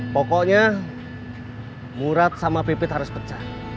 pokoknya murat sama pipit harus pecah